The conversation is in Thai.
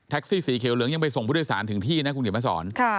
สีเขียวเหลืองยังไปส่งผู้โดยสารถึงที่นะคุณเขียนมาสอน